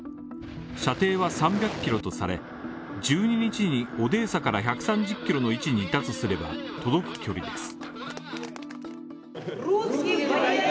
射程は３００キロとされ、１２日に、オデーサから１３０キロの位置にいたとすれば届く距離です。